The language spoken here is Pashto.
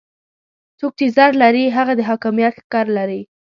څوک چې زر لري هغه د حاکميت ښکر لري.